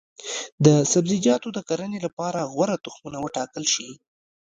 د سبزیجاتو د کرنې لپاره غوره تخمونه وټاکل شي.